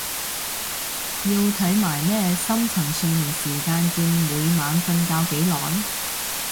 要睇埋咩深層睡眠時間佔每晚瞓覺幾耐？